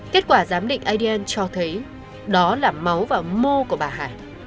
kết quả giám định adn cho thấy đó là máu và mô của bà hải